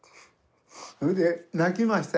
それで泣きましたよ。